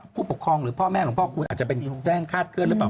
ผู้ปกครองหรือพ่อแม่ของพ่อคุณอาจจะเป็นแจ้งคาดเคลื่อนหรือเปล่า